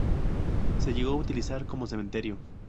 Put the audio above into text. Se llegó a utilizar como cementerio.